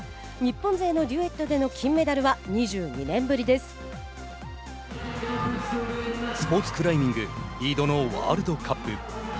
日本勢のデュエットでの金メダルはスポーツクライミングリードのワールドカップ。